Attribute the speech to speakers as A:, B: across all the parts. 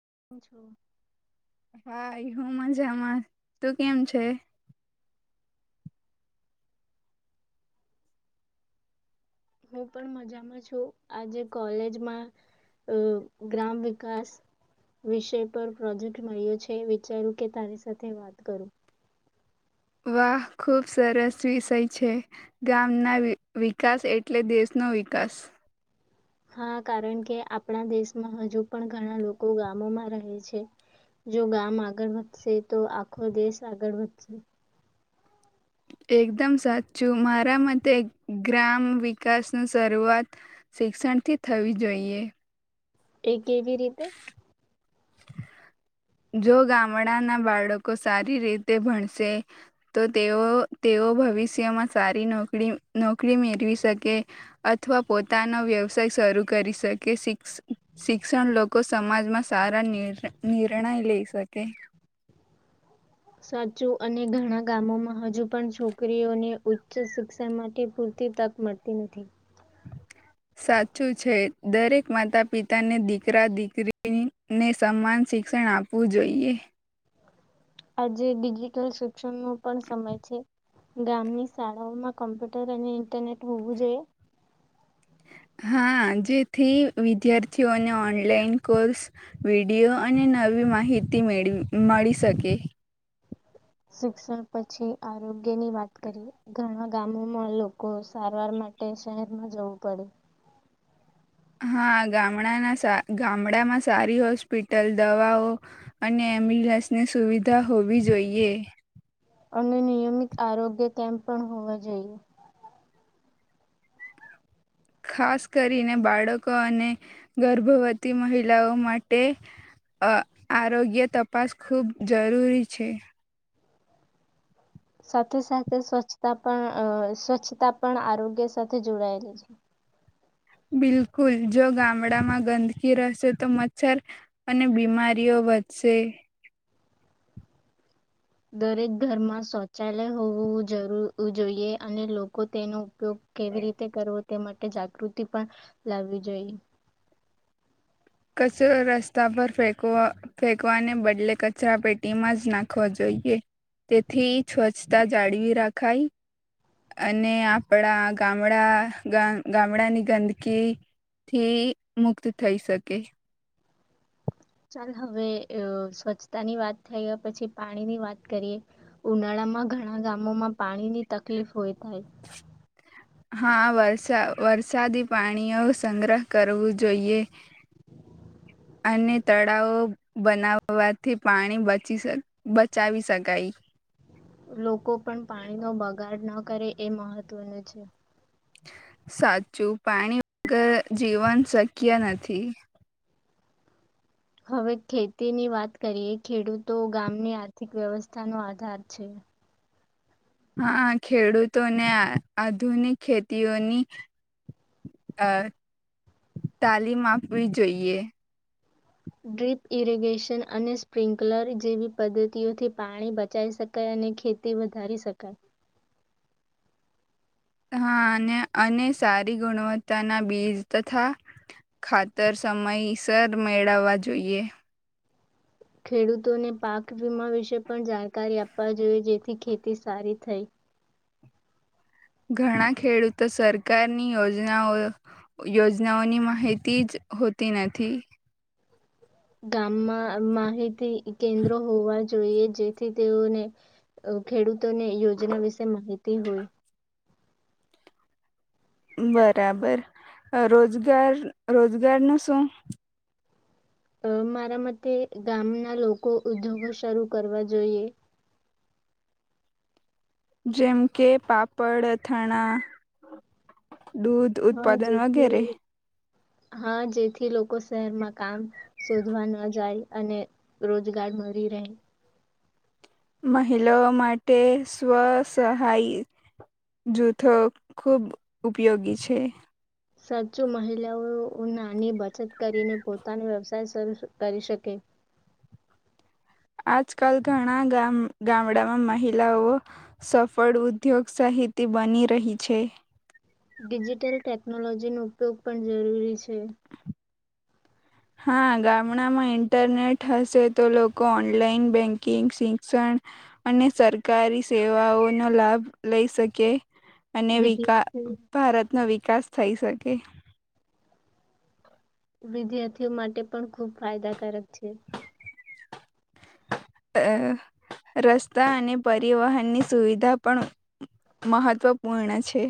A: [inaudible]
B: હા હું મજામાં તું કેમ છે.
A: હું પણ મજામાં છું આજે કોલેજમાં ગ્રામ વિકાસ વિષય પર પ્રોજેક્ટ મળ્યો છે વિચારું કે તારી સાથે વાત કરું.
B: વાહ ખૂબ સરસ વિષય છે ગામના વિકાસ એટલે દેશનો વિકાસ.
A: હા કારણ કે આપણા દેશમાં હજુ પણ ઘણા લોકો ગામોમાં રહે છે, જો ગામ આગળ વધશે તો આખો દેશ આગળ વધશે.
B: એકદમ સાચું મારા મતે ગ્રામ વિકાસની શરૂઆત શિક્ષણથી થવી જોઈએ.
A: એ કેવી રીતે?
B: જો ગામડાના બાળકો સારી રીતે ભણશે, તો તેઓ તેઓ ભવિષ્યમાં સારી નોકરી નોકરી મેળવી શકે, અથવા પોતાનો વ્યવસાય શરૂ કરી શકે શિક્ષણ લોકો સમાજમાં સારા નિ નિર્ણય લેય સકે.
A: સાચું અને ઘણા ગામોમાં હજુ પણ છોકરીઓને ઉચ્ચ શિક્ષણ માટે પૂરતી તક મળતી નથી.
B: સાચું છે દરેક માતા પિતાને દીકરા દીકરીને સમાન શિક્ષણ આપવું જોઈએ.
A: આજે ડીજીિટલ સુ શિક્ષણ નો પણ સમય છે. ગામની શાળાઓમાં કમ્પ્યુટર અને ઇન્ટરનેટ હોવું જોઈએ.
B: હા જેથી વિદ્યાર્થીઓને ઓનલાઈન કોર્સ, વિડીયો અને નવી માહિતી મેળ મળી શકે.
A: શિક્ષણ પછી આરોગ્યની વાત કરી ઘણા ગામોમાં લોકો સારવાર માટે શહેરમાં જવું પડે.
B: હા ગામના ગામડામાં સારી હોસ્પિટલ દવાઓ, અને એમ્બ્યુલન્સની સુવિધા હોવી જોઈએ.
A: અને નિયમિત આરોગ્ય કેમ્પ પણ હોવા જોઈએ.
B: ખાસ કરીને બાળકો અને, ગર્ભવતી મહિલાઓ માટે, આરોગ્ય તપાસ ખૂબ જરૂરી છે.
A: સાથે સાથે સ્વચ્છતા પણ સ્વચ્છતા પણ આરોગ્ય સાથે જોડાયેલી છે.
B: બિલકુલ જો ગામડામાં ગંદકી રહેશે તો મચ્છર, અને બીમારીઓ વધશે.
A: દરેક ઘરમાં શૌચાલય હોવું જરૂ જોઈએ અને લોકો તેનું ઉપયોગ કેવી રીતે કરવો તે માટે જાગૃતિ પણ, લાવવી જોઈએ.
B: કચરો રસ્તા પર ફેકવા ફેંકવાને બદલે કચરા પેટીમાં જ નાખવા જોઈએ, તેથી સ્વચ્છતા જાળવી રાખાય. અને આપણા ગામડા ગામડાની ગંદકી થી મુક્ત થઈ શકે.
A: ચાલ હવે સ્વચ્છતા ની વાત થઈ પછી પાણીની વાત કરીએ, ઉનાળામાં ઘણા ગામોમાં પાણીની તકલીફ હોય થાય.
B: હા વરસા વરસાદી પાણીઓ સંગ્રહ કરવું જોઈએ. અને તળાવ બનાવવાથી પાણી બચી બચાવી શકાય.
A: લોકો પણ પાણી નો બગાડ ના કરે એ મહત્વનું છે.
B: સાચું પાણી વગ જીવન શક્ય નથી.
A: હવે ખેતીની વાત કરીએ ખેડૂતો ગામની આર્થિક વ્યવસ્થાનો આધાર છે.
B: હા ખેડૂતોને આધુનિક ખેતીઓની, તાલીમ આપવી જોઈએ.
A: ડ્રીપ ઇરિગેશન અને સ્પ્રિન્કલર જેવી પદ્ધતિઓથી પાણી બચાઈ શકાય અને ખેતી વધારી શકાય.
B: અને સારી ગુણવત્તાના બીજ તથા, ખાતર સમયસર મેળવવા જોઈએ.
A: ખેડૂતોને પાક વીમા વિશે પણ જાણકારી આપવા જોઈએ જેથી ખેતી સારી થઈ.
B: ઘણા ખેડૂતો સરકારની યોજનાઓ યોજનાઓની માહિતી જ હોતી નથી.
A: ગામમાં માહિતી કેન્દ્રો હોવા જોઈએ જેથી તેઓને, ખેડૂત ની યોજના વિશે માહિતી હોય.
B: બરાબર, રોજગાર રોજગાર નું શું?
A: અ મારા મતે ગામના લોકો ઉદ્યોગો શરૂ કરવા જોઈએ.
B: જેમ કે પાપડ અથણા. દૂધ
A: હા
B: ઉત્પાદન વગેરે.
A: જેથી હા જેથી લોકો શહેરમાં કામ શોધવા ન જાય અને રોજગાર મળી રહે.
B: મહિલાઓ માટે સ્વસહાય જૂથો ખૂબ ઉપયોગી છે.
A: સાચુ મહિલાઓ નાની બચત કરીને પોતાનો વ્યવસાય શરૂ કરી શકે.
B: આજકાલ ઘણા ગામડામાં મહિલાઓ, સફળ ઉદ્યોગ સાહિતી બની રહી છે.
A: ડિજિટલ ટેકનોલોજી નો ઉપયોગ પણ જરૂરી છે.
B: હા ગામડામાં ઇન્ટરનેટ હશે તો લોકો ઓનલાઈન બેંકિંગ શિક્ષણ અને સરકારી સેવાઓનો લાભ લઈ શકે. અને વિકાસ
A: વિદ્યાર્થી
B: ભારતનો વિકાસ થઈ શકે.
A: વિદ્યાર્થીઓ માટે પણ ખૂબ ફાયદાકારક છે.
B: અ રસ્તા અને પરિવહનની સુવિધા પણ મહત્વપૂર્ણ છે.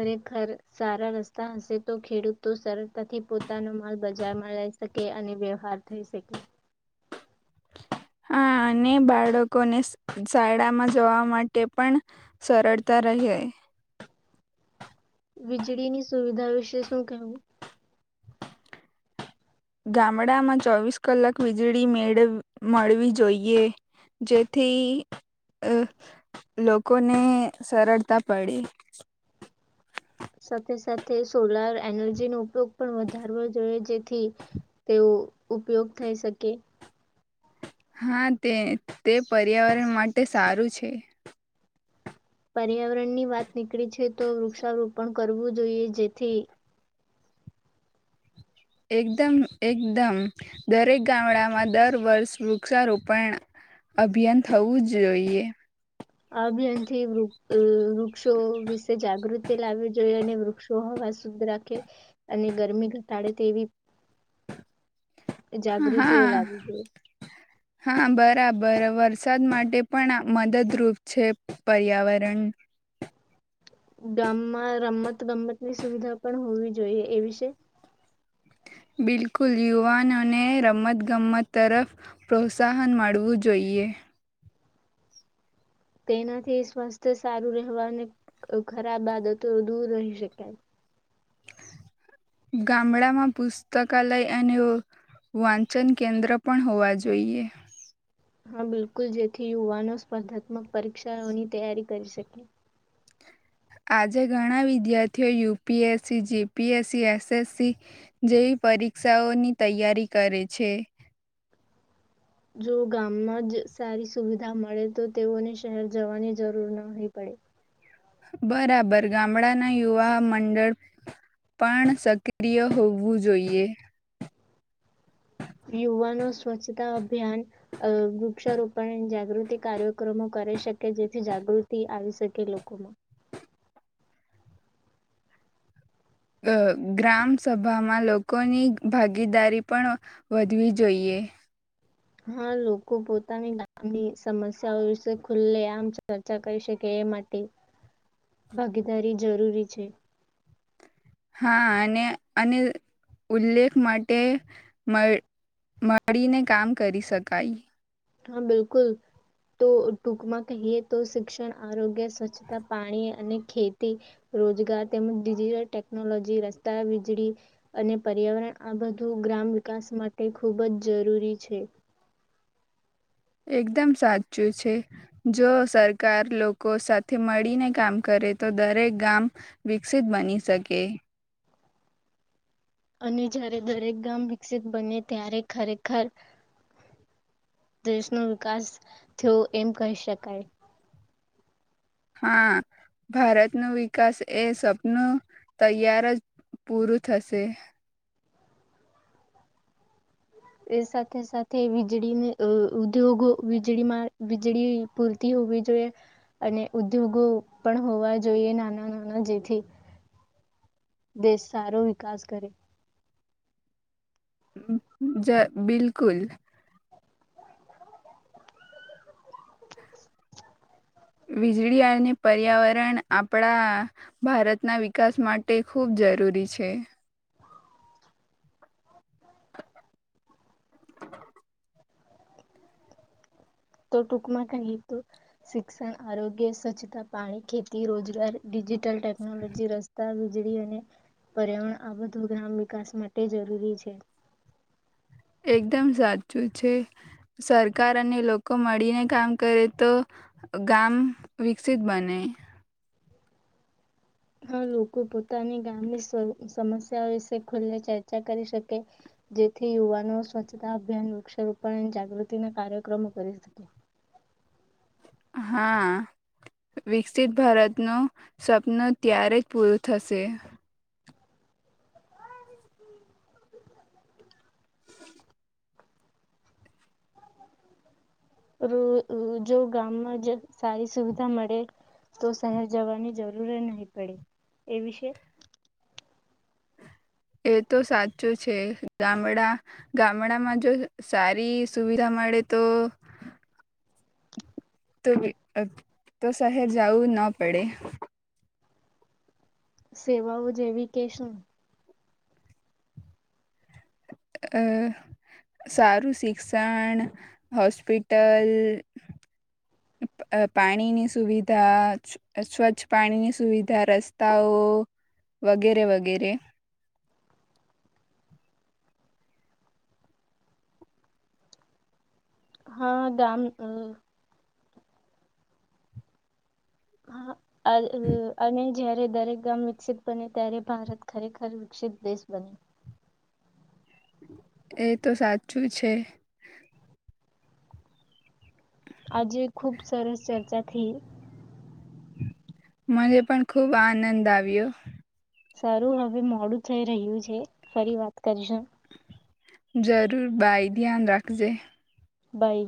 A: ખરેખર સારા રસ્તા હશે તો ખેડૂતો સરળતાથી પોતાનો માલ બજારમાં લઈ શકે અને વ્યવહાર થઈ શકે.
B: હા અને બાળકોને શઝાયડાામાં જોવા માટે પણ સરળતા રહી.
A: વીજળીની સુવિધા વિશે શું કહેવું?
B: ગામડામાં ચોવીસ કલાક વીજળી મેળ મળવી જોઈએ જેથી લોકોને સરળતા પડે.
A: સાથે સાથે સોલાર એનર્જીનો ઉપયોગ પણ વધારવો જોઈએ જેથી તેઓ ઉપયોગ થઈ શકે.
B: હા તે તે પર્યાવરણ માટે સારું છે.
A: પર્યાવરણ ની વાત નીકળી છે તો વૃક્ષારોપણ કરવું જોઈએ જેથી
B: એકદમ એકદમ દરેક ગામડામાં દર વર્ષ વૃક્ષારોપણ અભિયાન થવું જ જોઈએ.
A: આ બ અથી પક્ષો વિશે જાગૃત તે લાવવી જોઈએ અને વૃક્ષો હવા શુદ્ધ રાખે અને ગરમી ઘટાડે તેવી જાગૃતિઓ
B: હા
A: લાવી છેઈ.
B: હા બરાબર વરસાદ માટે પણ મદદરૂપ છે પર્યાવરણ
A: ગામમાં રમત ગમતની સુવિધા પણ હોવી જોઈએ એ વિશે
B: બિલકુલ યુવાનોને રમતગમત તરફ પ્રોત્સાહન મળવું જોઈએ.
A: તેનાથી સ્વાસ્થ્ય સારું રહેવા અને ખરાબ આદતો દૂર રહી શકાય.
B: ગામડામાં પુસ્તકાલય અને વાંચન કેન્દ્ર પણ હોવા જોઈએ.
A: હા બિલકુલ જેથી યુવાનો સ્પર્ધાત્મક પરીક્ષાઓની તૈયારી કરી શકે.
B: આજે ઘણા વિદ્યાર્થીઓ યુપીએસસી જીપીએસસી એસએસસી જેવી પરીક્ષાઓની તૈયારી કરે છે.
A: જો ગામમાં જ સારી સુવિધા મળે તો તેઓને શહેર જવાની જરૂર નહ પડે.
B: બરાબર ગામડાના યુવા મંડળ પણ સક્રિય હોવું જોઈએ.
A: યુવાનો સ્વચ્છતા અભિયાન વૃક્ષારોપણ જાગૃતિ કાર્યક્રમો કરી શકે જેથી જાગૃતિ આવી શકે લોકોમાં
B: ગ્રામ સભામાં લોકોની ભાગીદારી પણ વધવી જોઈએ.
A: હા લોકો પોતાની ગામની સમસ્યાઓ વિશે ખુલ્લે આમ ચર્ચા કરી શકે એ માટે ભાગીદારી જરૂરી છે.
B: હા અને અને ઉલ્લેખ માટે મળ મળીને કામ કરી શકાય.
A: હા બિલકુલ તો ટૂંકમાં કહીએ તો શિક્ષણ આરોગ્ય સ્વચ્છતા પાણી અને ખેતી રોજગાર તેમજ ડિજિટલ ટેકનોલોજી રસ્તા વીજળી અને પર્યાવરણ આ બધું ગ્રામ વિકાસ માટે ખૂબ જ જરૂરી છે.
B: એકદમ સાચું છે જો સરકાર લોકો સાથે મળીને કામ કરે તો દરેક ગામ વિકસિત બની શકે.
A: અને જ્યારે દરેક ગામ વિકસિત બને ત્યારે ખરેખર દેશનો વિકાસ થયો એમ કહી શકાય.
B: હા ભારતનું વિકાસ એ સપનું તૈયાર જ પૂરું થશે.
A: એ સાથે સાથે વીજળીને ઉદ્યોગો વીજળીમાં વીજળી પૂરતી હોવી જોઈએ અને ઉદ્યોગો પણ હોવા જોઈએ નાના નાના જેથી દેશ સારો વિકાસ કરે
B: જ બિલકુલ વીજળી અને પર્યાવરણ આપણા ભારતના વિકાસ માટે ખૂબ જરૂરી છે. [inaudible]
A: તો ટૂંકમાં ક શિક્ષણ આરોગ્ય સ્વચ્છતા પાણી ખેતી રોજગારિ ટેકનોલોજી રસ્તા વીજળી અને પર્યાવરણ આ બધું ગ્રામ વિકાસ માટે જરૂરી છે.
B: એકદમ સાચું છે સરકાર અને લોકો મળીને કામ કરે તો ગામ વિકસિત બને.
A: હ લોકો પોતાની ગામની સમસ્યાઓ વિશે ખુલ્લે ચર્ચા કરી શકે જેથી યુવાનો સ્વચ્છતા અભિયાન વૃક્ષારોપણ અને જાગૃતિના કાર્યક્રમો કરી શકે.
B: હા વિકસિત ભારતનું સપનું ત્યારે જ પૂરું થશે.
A: જો ગામમાં સારી સુવિધા મળે તો શહેર જવાની જરૂર નહી પડે એ વિશે
B: એ તો સાચું છે ગામડા ગામડામાં જો સારી સુવિધા મળે તો તું બી અ તો શહેર જાવું ન પડે.
A: સેવાઓ જેવી કે શું?
B: અ સારું શિક્ષણ, હોસ્પિટલ, અ પાણીની સુવિધા, સ્વચ્છ પાણીની સુવિધા, રસ્તાઓ, વગેરે વગેરે.
A: હહ ગામ અ હા અને જ્યારે દરેક ગામ વિકસિત બને ત્યારે ભારત ખરેખર વિકસિત દેશ બને.
B: એ તો સાચું છે.
A: આજે ખુબ સરસ ચર્ચા થી.
B: મને પણ ખુબ આનંદ આવ્યો.
A: સારું હવે મોડું થઈ રહ્યું છે. ફરી વાત કરીશું.
B: જરૂર બાય ધ્યાન રાખજે.
A: બાઈ